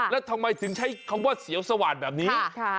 แล้วทำไมถึงใช้คำว่าเสียวสว่างแบบนี้